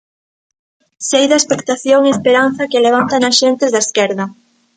Sei da expectación e esperanza que levanta nas xentes da esquerda.